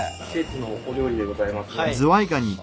「季節のお料理でございます」